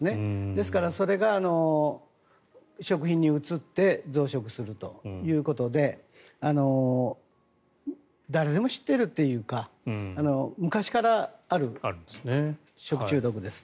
ですからそれが食品に移って増殖するということで誰でも知ってるというか昔からある食中毒です。